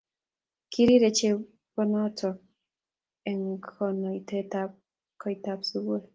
kirirei chebonoto eng konaitab kaitab sukul